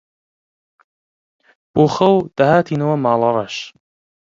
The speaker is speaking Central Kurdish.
بۆ خەو دەهاتینەوە ماڵەڕەش